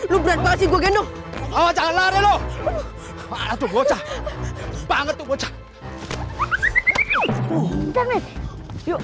lu berapa sih gue gendong jangan lari loh